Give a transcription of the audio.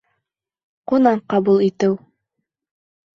Ҡунаҡ ҡабул итеү